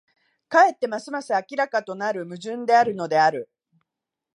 かえってますます明らかとなる矛盾であるのである。